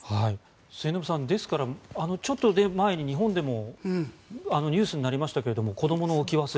末延さん、ですからちょっと前に日本でもニュースになりましたけど子どもの置き忘れ。